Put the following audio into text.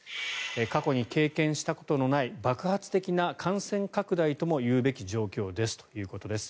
過去に経験したことのない爆発的な感染拡大ともいうべき状況だということです。